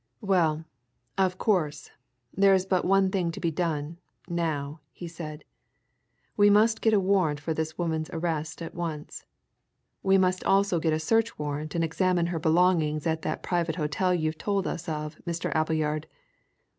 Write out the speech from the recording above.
"Well, of course, there's but one thing to be done, now," he said. "We must get a warrant for this woman's arrest at once. We must also get a search warrant and examine her belongings at that private hotel you've told us of, Mr. Appleyard.